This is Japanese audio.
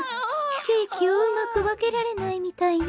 ケーキをうまくわけられないみたいね。